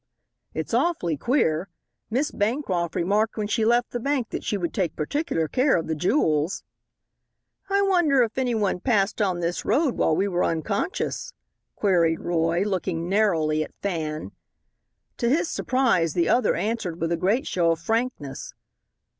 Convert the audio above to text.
"It's awfully queer. Miss Bancroft remarked when she left the bank that she would take particular care of the jewels." "I wonder if any one passed on this road while we were unconscious?" queried Roy, looking narrowly at Fan. To his surprise, the other answered with a great show of frankness.